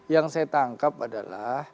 yang saya tangkap adalah